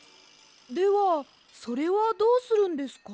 ではそれはどうするんですか？